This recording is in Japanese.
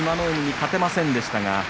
海に勝てませんでした。